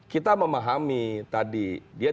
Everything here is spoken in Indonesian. kita memahami tadi dia